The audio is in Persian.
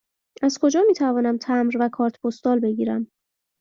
از کجا می توانم تمبر و کارت پستال بگیرم؟